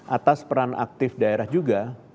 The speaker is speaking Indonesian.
atas peran aktif daerah juga